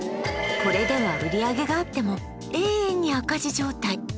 これでは売上があっても永遠に赤字状態